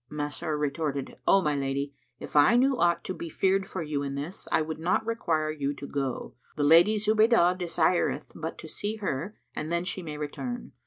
Masrur retorted, "O my lady, if I knew aught to be feared for you in this, I would not require you to go; the Lady Zubaydah desireth but to see her and then she may return.